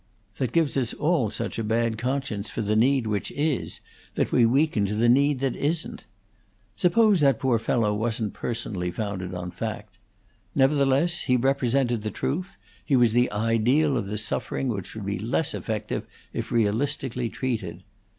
that gives us all such a bad conscience for the need which is that we weaken to the need that isn't? Suppose that poor fellow wasn't personally founded on fact: nevertheless, he represented the truth; he was the ideal of the suffering which would be less effective if realistically treated.